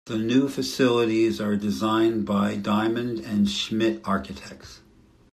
The new facilities are designed by Diamond and Schmitt Architects.